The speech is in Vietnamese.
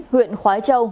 huyện khói châu